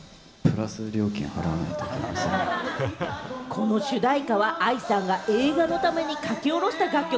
この主題歌はＡＩさんが映画のために書き下ろした楽曲。